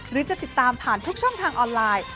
หรือจะติดตามผ่านทุกช่องทางออนไลน์